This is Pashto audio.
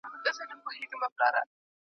هرځل چې ماشوم زده کړه وکړي، ټولنه ګټه اخلي.